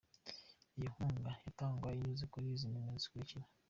Iyo nkunga yatangwa unyuze kuri izi nimero zikurikira.